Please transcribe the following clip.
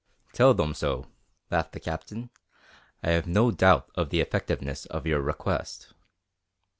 "Tell them so," laughed the Captain. "I have no doubt of the effectiveness of your request."